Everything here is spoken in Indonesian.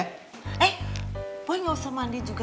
eh gue gak usah mandi juga